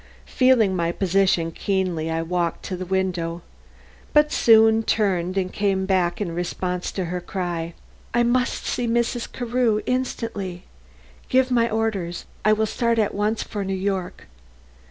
Feeling my position keenly, I walked to the window, but soon turned and came back in response to her cry: "I must see Mrs. Carew instantly. Give my orders. I will start at once to New York.